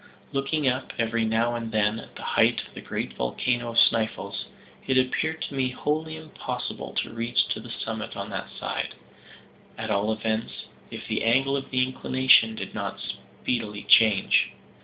Looking up, every now and then, at the height of the great volcano of Sneffels, it appeared to me wholly impossible to reach to the summit on that side; at all events, if the angle of inclination did not speedily change.